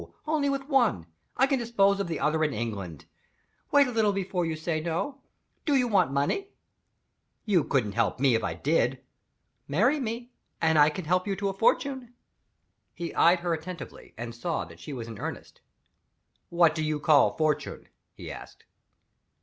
Only with one. I can dispose of the other in England. Wait a little before you say No. Do you want money?" "You couldn't help me, if I did." "Marry me, and I can help you to a fortune." He eyed her attentively and saw that she was in earnest. "What do you call a fortune?" he asked.